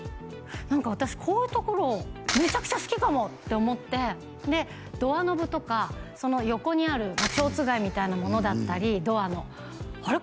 何か私こういうところめちゃくちゃ好きかもって思ってドアノブとかその横にある蝶番みたいなものだったりドアのあれ？